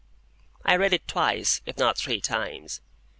I read it twice, if not three times.